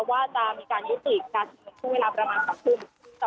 ว่าจะมีการยิติการสุดเวลาประมาณสักครู่